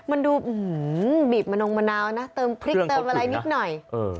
มันดูบีบมะนงมะนาวนะเติมพริกเติมอะไรนิดหน่อย